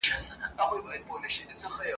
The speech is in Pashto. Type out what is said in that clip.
ملنګه ! د دریاب دوه غاړې چېرې دي یو شوي ..